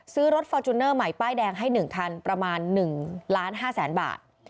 ซื้อรถฟอร์จูเนอร์ใหม่ป้ายแดงให้๑คันประมาณ๑ล้าน๕แสนบาท